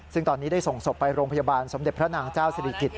ซึ่งตอนนี้ได้ส่งศพไปโรงพยาบาลสมเด็จพระนางเจ้าศิริกิจ